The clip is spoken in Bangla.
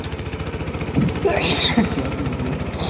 পরবর্তীতে বাংলাদেশ সরকারের সচিব হিসেবেও দায়িত্ব পালন করেন।